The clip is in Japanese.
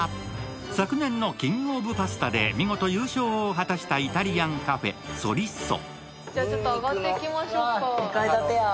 昨年のキングオブパスタで見事優勝を果たしたイタリアンカフェ、ＳＯＲＲＩＳＯ。